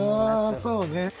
ああそうね。